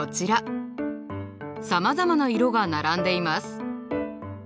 さまざまな色が並んでいます。